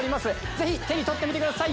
ぜひ手に取ってみてください